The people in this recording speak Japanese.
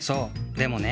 でもね